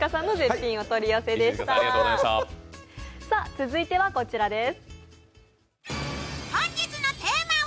続いてはこちらです。